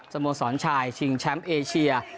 โมสรชายชิงแชมป์เอเชีย